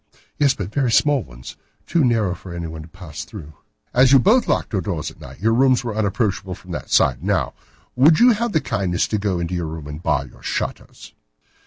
"Yes, but very small ones. Too narrow for anyone to pass through." "As you both locked your doors at night, your rooms were unapproachable from that side. Now, would you have the kindness to go into your room and bar your shutters?"